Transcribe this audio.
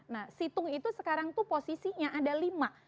nah situng itu sekarang tuh posisinya ada lima